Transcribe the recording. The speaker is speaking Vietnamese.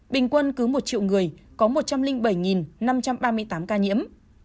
bình quân cứ một triệu người có một trăm linh bảy năm trăm ba mươi tám ca nhiễm